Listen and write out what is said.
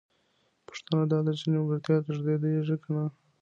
پوښتنه دا ده چې نیمګړتیا لېږدېږي که نه؟